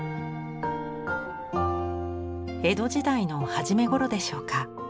江戸時代の初めごろでしょうか。